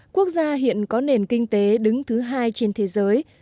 quốc gia hiện có nền kinh tế đứng thứ hai trên thế giới